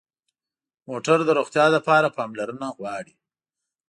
موټر د روغتیا لپاره پاملرنه غواړي.